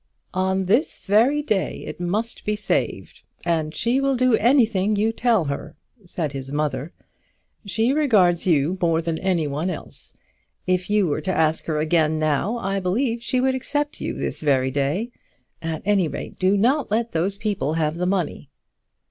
"On this very day it must be saved; and she will do anything you tell her," said his mother. "She regards you more than anyone else. If you were to ask her again now, I believe she would accept you this very day. At any rate, do not let those people have the money."